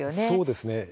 そうですね。